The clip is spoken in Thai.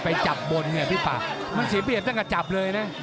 ไปจับบนเนี่ยพี่ปากมันเสียเวลาเป็นกับจับเลยนะ